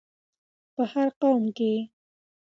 په هر قوم کې